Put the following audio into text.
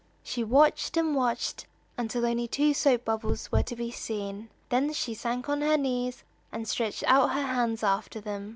She watched and watched until only two soap bubbles were to be seen; then she sank on her knees, and stretched out her hands after them.